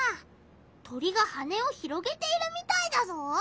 鳥が羽を広げているみたいだぞ！